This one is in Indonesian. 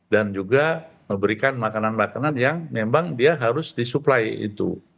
dan juga memberikan makanan makanan yang memang dia harus disupply itu